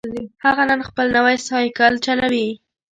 هغه نن خپل نوی سایکل چلوي